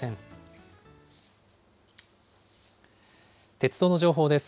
鉄道の情報です。